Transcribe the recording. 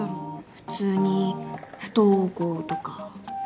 普通に不登校とか？